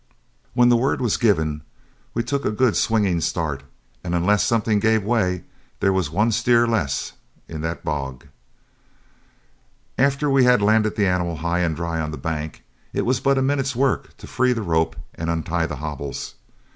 When the word was given, we took a good swinging start, and unless something gave way there was one steer less in the hog. After we had landed the animal high and dry on the bank, it was but a minute's work to free the rope and untie the hobbles.